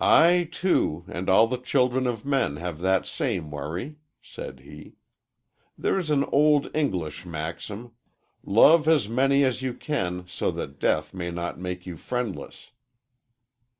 "I, too, and all the children of men have that same worry," said he. "There's an old Eastern maxim, 'Love as many as you can, so that death may not make you friendless.'"